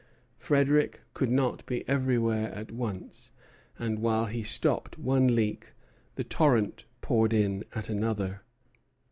Frederic could not be everywhere at once; and while he stopped one leak the torrent poured in at another.